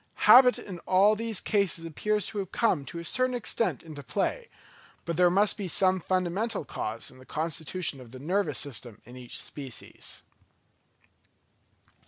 Habit in all these cases appears to have come to a certain extent into play; but there must be some fundamental cause in the constitution of the nervous system in each species.